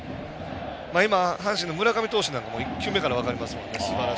今、阪神の村上投手なんかも１球目から分かりますね。